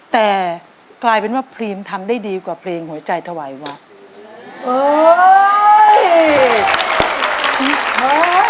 แต่กลายเป็นว่าพรีมทำได้ดีกว่าเพลงหัวใจถวายวัด